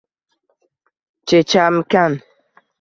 Chechamikan